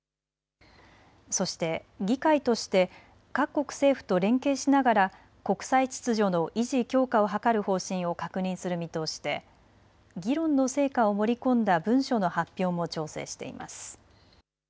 そして議会として各国政府と連携しながら国際秩序の維持・強化を図る方針を確認する見通しで議論の成果を盛り込んだ文書の発表も調整しています。